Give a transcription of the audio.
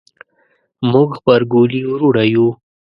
موږ غبرګولي وروڼه یو